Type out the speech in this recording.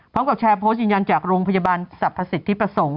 พร้อมกับแชร์โพสต์ยืนยันจากโรงพยาบาลสรรพสิทธิประสงค์